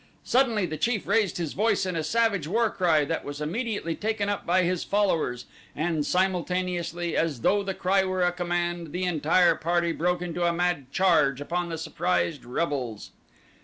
Suddenly the chief raised his voice in a savage war cry that was immediately taken up by his followers, and simultaneously, as though the cry were a command, the entire party broke into a mad charge upon the surprised rebels.